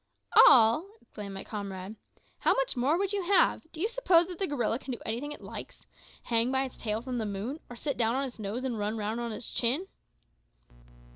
"All!" exclaimed my comrade. "How much more would you have? Do you suppose that the gorilla can do anything it likes hang by its tail from the moon, or sit down on its nose and run round on its chin?"